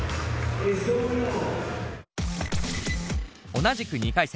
同じく２回戦。